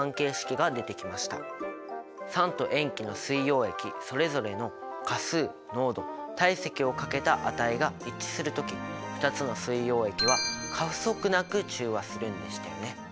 酸と塩基の水溶液それぞれの価数濃度体積を掛けた値が一致する時２つの水溶液は過不足なく中和するんでしたよね。